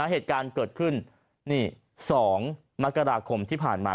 เหตุการณ์เกิดขึ้นนี่๒มกราคมที่ผ่านมา